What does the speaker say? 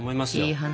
いい話。